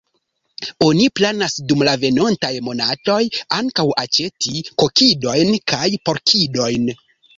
Oni planas dum la venontaj monatoj ankaŭ aĉeti kokidojn kaj porkidojn.